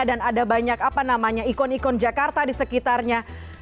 dan ada banyak apa namanya ikon ikon jakarta di sekitarnya